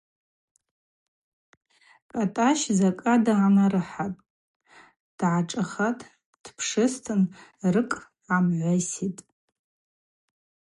Кӏатӏащ закӏы дгӏанарыхӏан дгӏашӏыхатӏ, дпшызтын – рыкӏ гӏамгӏвайситӏ.